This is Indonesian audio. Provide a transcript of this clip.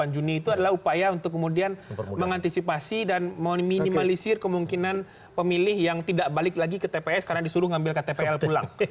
dua puluh juni itu adalah upaya untuk kemudian mengantisipasi dan meminimalisir kemungkinan pemilih yang tidak balik lagi ke tps karena disuruh ngambil ktpl pulang